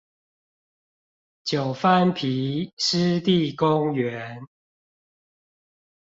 九番埤濕地公園